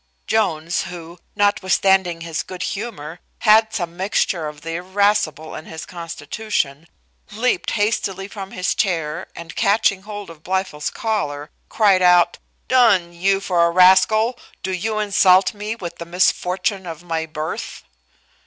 Jones, who, notwithstanding his good humour, had some mixture of the irascible in his constitution, leaped hastily from his chair, and catching hold of Blifil's collar, cried out, "D n you for a rascal, do you insult me with the misfortune of my birth?"